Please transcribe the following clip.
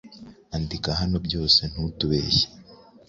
Andika hano byose ntutubeshye